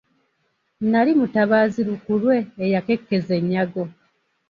Nali mutabaazi lukulwe eyakekkeza ennyago.